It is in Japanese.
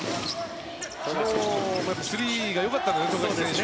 昨日もスリーがよかったですので富樫選手。